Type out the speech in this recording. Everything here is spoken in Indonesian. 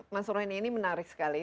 mas roy ini menarik sekali